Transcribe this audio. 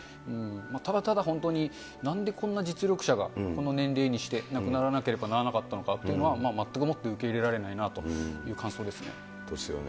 ただただ本当に、なんでこんな実力者がこの年齢にして亡くならなければならなかったのかというのは、全くもって受け入れられないなという感想ですね。